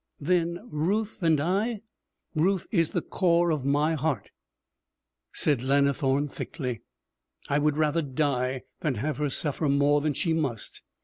'Then Ruth and I ' 'Ruth is the core of my heart!' said Lannithorne thickly. 'I would rather die than have her suffer more than she must.